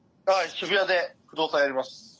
渋谷で不動産やります。